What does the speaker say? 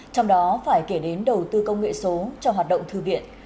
trong đó phải kể đến đầu tư công nghệ số cho hoạt động thư viện